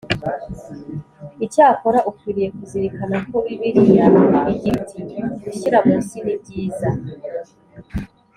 Icyakora ukwiriye kuzirikana ko Bibiliya igira iti gushyira munsi nibyiza